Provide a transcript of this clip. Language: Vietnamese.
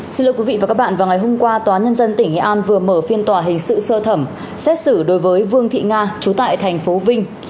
xin quý vị và các bạn vào ngày hôm qua tòa nhân dân tỉnh nghệ an vừa mở phiên tòa hình sự sơ thẩm xét xử đối với vương thị nga trú tại thành phố vinh